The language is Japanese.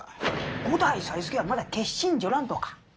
五代才助はまだけ死んじょらんとか？